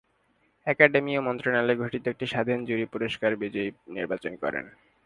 Academy ও মন্ত্রণালয়ের গঠিত একটি স্বাধীন জুরি পুরস্কার বিজয়ী নির্বাচন করেন।